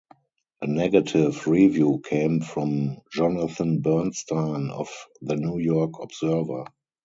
A negative review came from Jonathan Bernstein of "The New York Observer".